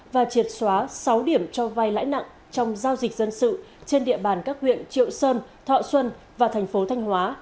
và triệt xóa sáu điểm cho vai lãi nặng trong giao dịch dân sự trên địa bàn các huyện triệu sơn thọ xuân và thành phố thanh hóa